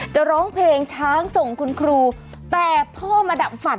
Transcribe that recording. ร้องเพลงช้างส่งคุณครูแต่พ่อมาดับฝัน